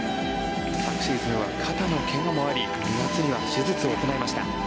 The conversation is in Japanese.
昨シーズンは肩の怪我もあり２月には手術も行いました。